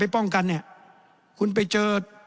ไปป้องกันพูดคุณไปเจอ